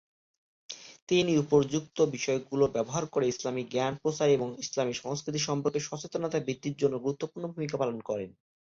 তিনি উপর্যুক্ত বিষয়গুলো ব্যবহার করে ইসলামী জ্ঞান প্রচার এবং ইসলামী সংস্কৃতি সম্পর্কে সচেতনতা বৃদ্ধির জন্য গুরুত্বপূর্ণ ভূমিকা পালন করেন।